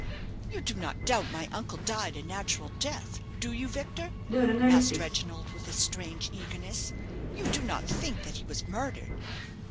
"You do not doubt my uncle died a natural death, do you, Victor?" asked Reginald, with a strange eagerness. "You do not think that he was murdered?"